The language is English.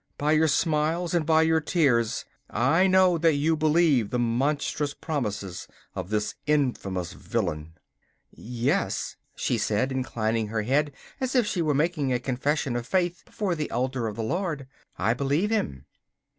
By your smiles and by your tears I know that you believe the monstrous promises of this infamous villain.' 'Yes,' she said, inclining her head as if she were making a confession of faith before the altar of the Lord, 'I believe him.